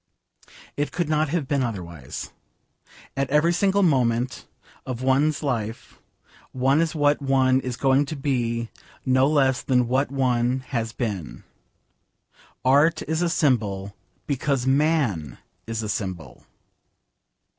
It could not have been otherwise. At every single moment of one's life one is what one is going to be no less than what one has been. Art is a symbol, because man is a symbol.